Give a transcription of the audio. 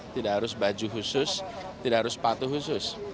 tidak harus baju khusus tidak harus sepatu khusus